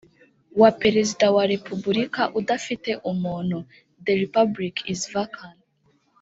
wa Perezida wa Repubulika udafite umuntu the Republic is vacant